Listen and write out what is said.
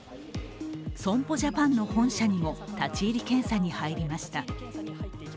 損保ジャパンの本社にも立ち入り検査に入りました。